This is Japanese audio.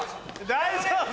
大丈夫？